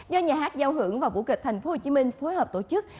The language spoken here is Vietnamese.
do nhà hát giao hưởng và vũ kịch tp hcm phối hợp tổ chức